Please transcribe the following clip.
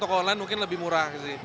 toko online mungkin lebih murah